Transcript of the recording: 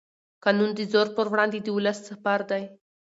قانون د زور پر وړاندې د ولس سپر دی